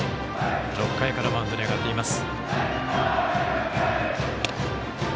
６回からマウンドに上がっています。